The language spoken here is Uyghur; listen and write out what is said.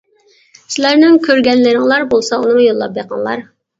سىلەرنىڭ كۆرگەنلىرىڭلار بولسا ئۇنىمۇ يوللاپ بېقىڭلار.